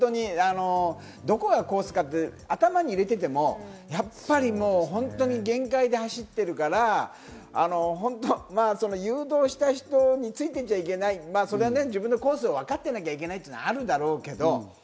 どこがコースかって、頭に入れてても、やっぱり本当に限界で走ってるから、誘導した人についていっちゃいけない、それは自分でコースを分かってなきゃいけないのはあるだろうけど。